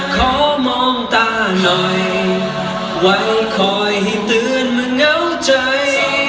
ขอมองตาหน่อยวันคอยให้เตือนมาเหงาใจ